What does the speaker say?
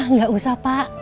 nggak usah pak